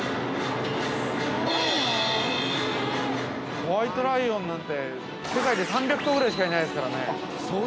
◆ホワイトライオンなんて、世界で３００頭ぐらいしかいないですからね。